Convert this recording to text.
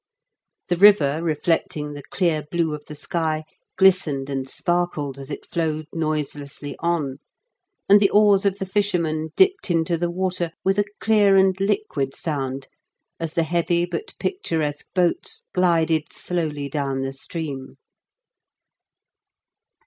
The river, reflecting the clear blue of the sky, glistened and sparkled as it flowed noiselessly on ; and the oars of the fishermen dipped into the water with a dear and liquid sound, as the heavy but picturesque boats glided slowly down the stream."